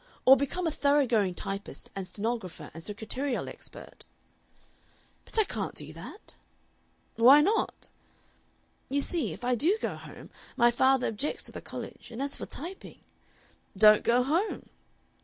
Or become a thorough going typist and stenographer and secretarial expert." "But I can't do that." "Why not?" "You see, if I do go home my father objects to the College, and as for typing " "Don't go home."